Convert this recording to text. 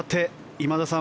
今田さん